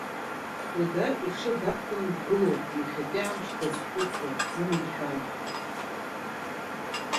Хьудар иҽы дақәтәаны дгылоуп, иахьатәи амш дазхәыцуа, дзыманшәалахар…